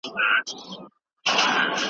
غوښه د میلمستیا په دسترخوانونو کې مهمه برخه ده.